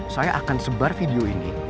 saya akan sebar video ini